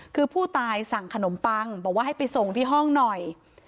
คือผู้ตายสั่งขนมปังบอกว่าให้ไปส่งที่ห้องหน่อย